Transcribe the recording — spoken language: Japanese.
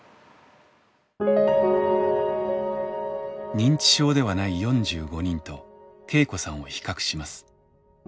認知症ではない４５人と恵子さんを比較します。